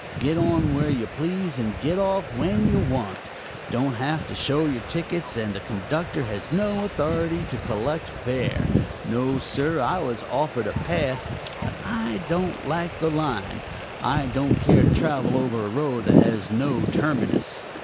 Get on where you please and get off when you want. Don't have to show your tickets, and the conductor has no authority to collect fare. No, sir; I was offered a pass, but I don't like the line. I don't care to travel over a road that has no terminus.